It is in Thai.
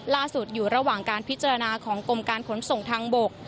อยู่ระหว่างการพิจารณาของกรมการขนส่งทางบก